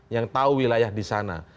yang tahu wilayah di sana